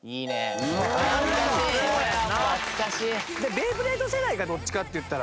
ベイブレード世代かどっちかっていったら。